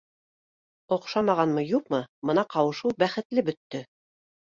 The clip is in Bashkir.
— Оҡшамағанмы, юҡмы, бына ҡауышыу бәхетле бөттө